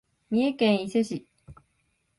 三重県伊勢市